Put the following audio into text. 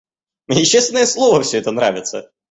Мне честное слово всё это нравится!